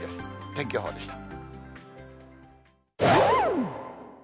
天気予報でした。